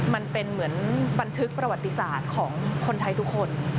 มันเป็นเหมือนบันทึกประวัติศาสตร์ของคนไทยทุกคน